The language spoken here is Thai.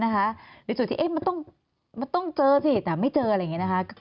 หรือจุดที่มันต้องเจอสิแต่ไม่เจออะไรอย่างนี้นะคะ